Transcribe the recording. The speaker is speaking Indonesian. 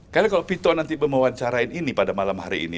karena kalau vito nanti memuancarain ini pada malam hari ini